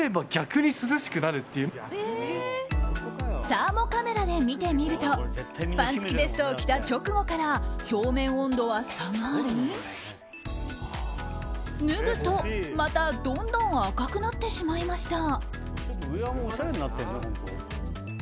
サーモカメラで見てみるとファン付きベストを着た直後から表面温度は下がり脱ぐと、またどんどん赤くなってしまいました。